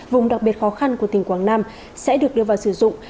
vùng đặc biệt khó khăn của tỉnh quảng nam sẽ được đưa vào sử dụng